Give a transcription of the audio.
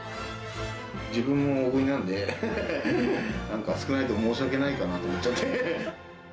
自分も大食いなんで、なんか、少ないと申し訳ないかなと思っちゃって。